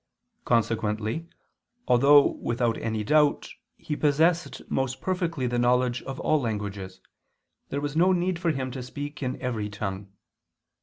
Consequently, although without any doubt He possessed most perfectly the knowledge of all languages, there was no need for Him to speak in every tongue.